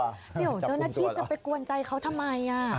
เดี๋ยวเจ้าหน้าที่จะไปกวนใจเขาทำไม